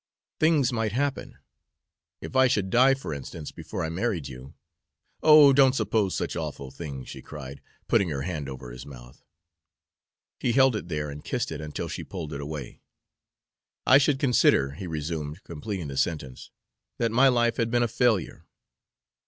Things might happen. If I should die, for instance, before I married you" "Oh, don't suppose such awful things," she cried, putting her hand over his mouth. He held it there and kissed it until she pulled it away. "I should consider," he resumed, completing the sentence, "that my life had been a failure."